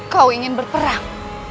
kau ingin berperang